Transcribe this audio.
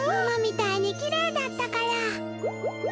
ママみたいにきれいだったから。